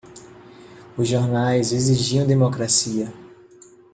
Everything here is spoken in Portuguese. Os jornais exigiam democracia.